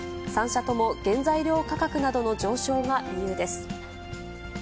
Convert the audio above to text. ３社とも原材料価格の上昇が理由です。